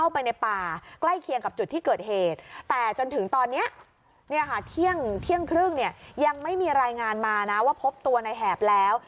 ไม่มีรายงานมานะว่าพบตัวในแหบแล้ว